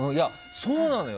そうなのよ。